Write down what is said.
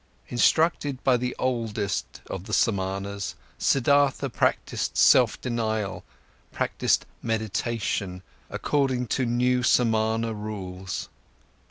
Instructed by the oldest of the Samanas, Siddhartha practised self denial, practised meditation, according to a new Samana rules.